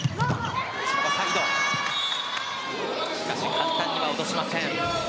簡単には落としません。